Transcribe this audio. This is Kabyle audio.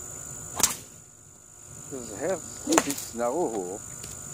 Tezhiḍ s tidet, neɣ uhu?